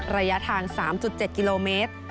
ระยะทาง๓๗กิโลเมตร